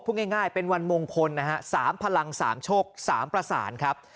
พูดง่ายเป็นวันมงคลนะฮะ๓พลัง๓โชค๓ประสานครับ